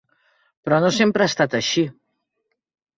Però no sempre ha estat així.